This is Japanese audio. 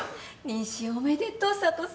妊娠おめでとう佐都さん。